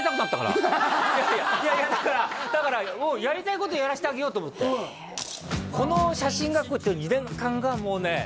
いやいやだからもうやりたいことやらせてあげようと思ってこの写真学校行ってる２年間がもうね